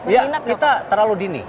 ya kita terlalu dini